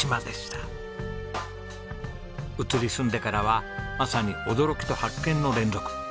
移り住んでからはまさに驚きと発見の連続。